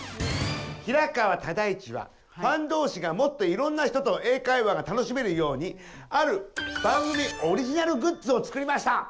平川唯一はファン同士がもっといろんな人と英会話が楽しめるようにある番組オリジナルグッズを作りました。